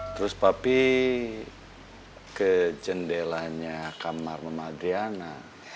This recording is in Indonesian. terus papi ke jendelanya kamar mama adriana